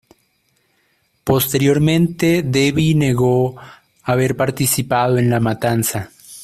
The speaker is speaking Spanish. Posteriormente Devi negó haber participado en la matanza.